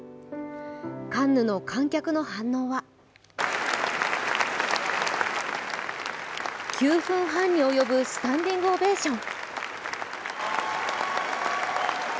カンヌの観客の反応は９分半に及ぶスタンディングオベーション。